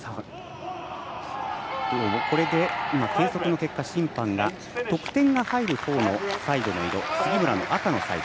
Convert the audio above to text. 計測の結果、審判が得点が入るほうのサイドの色杉村の赤のサイド。